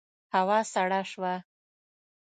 هوا سړه شوه.